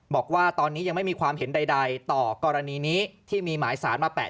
บอกว่าตอนนี้ยังไม่มีความเห็นใดต่อกรณีนี้ที่มีหมายสารมาแปะ